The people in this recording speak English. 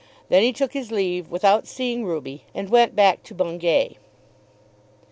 Then he took his leave without seeing Ruby, and went back to Bungay.